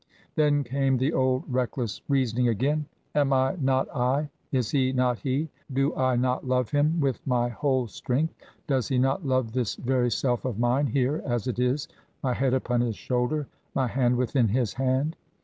Then came the old reckless reasoning again: Am I not I? Is he not he? Do I not love him with my whole strength? Does he not love this very self of mine, here as it is, my head upon his shoulder, my hand within his hand?